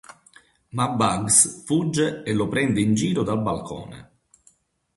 Ma Bugs fugge e lo prende in giro dal balcone.